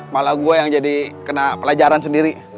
malah gue yang jadi kena pelajaran sendiri